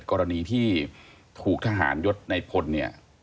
กรณีที่ถูกทหารยศในพลเนี่ย